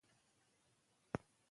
ایا ناتاشا د پییر په مینه باور درلود؟